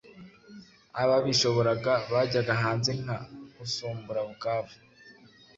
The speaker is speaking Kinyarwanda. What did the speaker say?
Ababishoboraga bajyaga hanze nka Usumbura Bukavu.